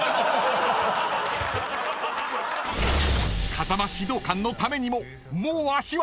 ［風間指導官のためにももう足は引っ張れない！］